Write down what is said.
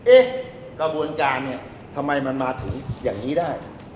กระบวนการเนี่ยทำไมมันมาถึงอย่างนี้ได้